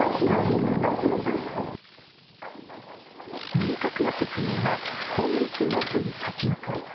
明確な説明は今月末に先送り。